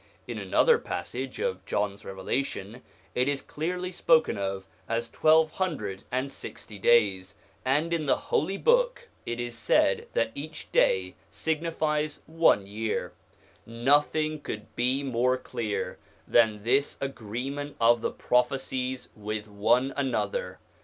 In another passage of John's Revela tion it is clearly spoken of as twelve hundred and sixty days, and in the Holy Book it is said that each day F 82 SOME ANSWERED QUESTIONS signifies one year. Nothing could be more clear than this agreement of the prophecies with one another.